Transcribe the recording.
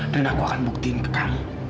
dan aku akan buktikan ke kamu